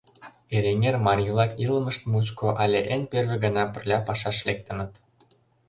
Эреҥер марий-влак илымышт мучко але эн первый гана пырля пашаш лектыныт.